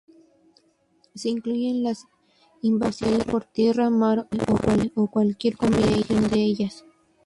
Se incluyen las invasiones por tierra, mar o aire, o cualquier combinación de ellas.